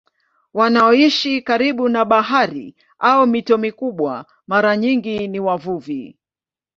Wanaoishi karibu na bahari au mito mikubwa mara nyingi ni wavuvi.